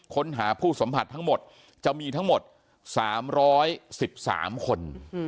ค้นหาผู้สัมผัสทั้งหมดจะมีทั้งหมด๓๑๓คน